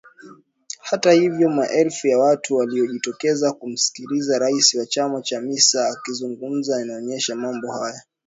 Hata hivyo maelfu ya watu waliojitokeza kumsikiliza rais wa chama Chamisa akizungumza inaonyesha mambo haya.